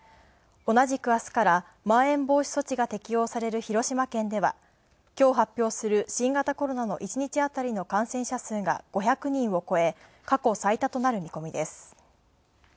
同じく明日から、まん延防止措置が適用される広島県では今日発表する新型コロナの１日あたりの感染者数が５００人を超え、過去最多となる見込みです。